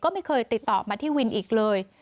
ก็ไม่เคยติดต่อมาที่วินอีกเลย